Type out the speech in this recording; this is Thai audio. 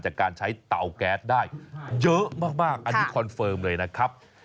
จากการใช้เตาแก๊สได้เยอะมากอันนี้คอนเฟิร์มเลยนะครับ